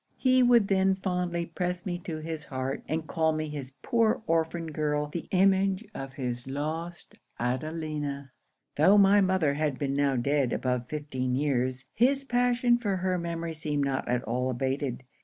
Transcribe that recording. He would then fondly press me to his heart, and call me his poor orphan girl, the image of his lost Adelina! 'Tho' my mother had been now dead above fifteen years, his passion for her memory seemed not at all abated.